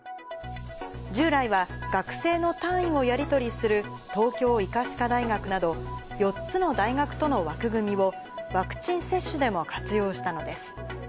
従来は学生の単位をやり取りする東京医科歯科大学など、４つの大学との枠組みを、ワクチン接種でも活用したのです。